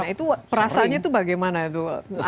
itu perasaannya itu bagaimana tuh